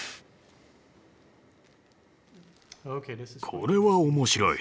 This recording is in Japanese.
これは面白い。